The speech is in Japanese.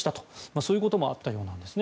そういうこともあったようなんですね。